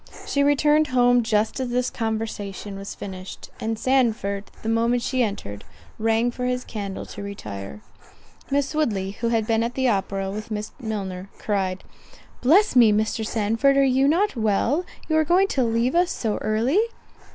She returned home just as this conversation was finished, and Sandford, the moment she entered, rang for his candle to retire. Miss Woodley, who had been at the opera with Miss Milner, cried, "Bless me, Mr. Sandford, are you not well, you are going to leave us so early?"